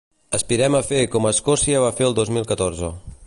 Aspirem a fer com Escòcia va fer el dos mil catorze.